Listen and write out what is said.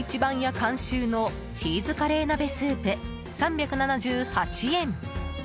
監修のチーズカレー鍋スープ、３７８円。